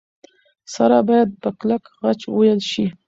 سره باید په کلک خج وېل شي.